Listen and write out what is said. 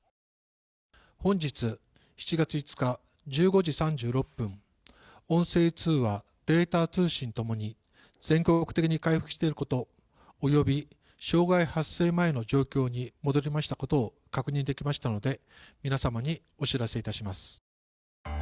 本日、７月５日１５時３１分音声通話、データ通信共に全国的に回復していることおよび障害発生前の状況に戻りましたことを確認できましたので皆様にお知らせ致します。